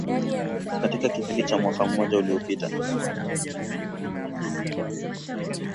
katika kipindi cha mwaka mmoja uliopita